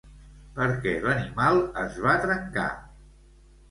Per què l'animal es va trencar?